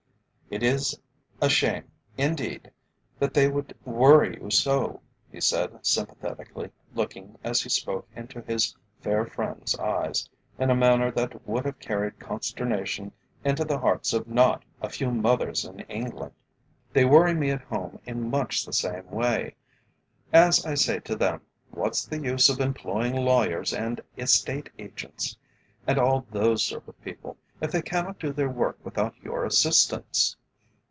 "It is a shame, indeed, that they should worry you so," he said sympathetically, looking as he spoke into his fair friend's eyes in a manner that would have carried consternation into the hearts of not a few mothers in England. "They worry me at home in much the same way. As I say to them, what's the use of employing lawyers and Estate Agents, and all those sort of people, if they cannot do their work without your assistance?